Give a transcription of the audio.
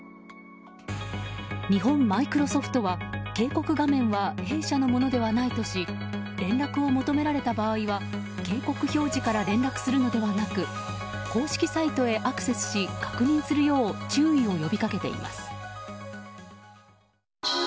日本マイクロソフトは警告画面は弊社のものではないとし連絡を求められた場合は警告表示から連絡するのではなく公式サイトへアクセスし確認するよう注意を呼びかけています。